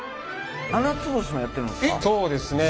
ななつ星もやってるんですか？